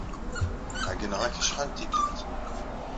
Ɛeyyneɣ-ak acḥal d tikkelt.